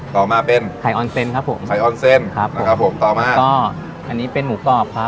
ต่อมาเป็นไข่ออนเซนครับผมไข่ออนเซนครับนะครับผมต่อมาก็อันนี้เป็นหมูกรอบครับ